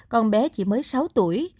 con bé chỉ mới sáu tuổi